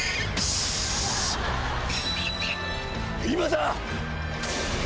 今だ！